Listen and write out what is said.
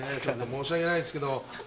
申し訳ないですけど。